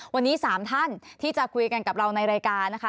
วันนี้๓ท่านที่จะคุยกันกับเราในรายการนะคะ